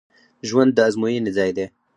ژوند د ازموینې ځای دی